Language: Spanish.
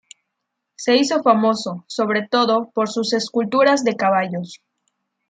Se hizo famoso, sobre todo, por sus esculturas de caballos.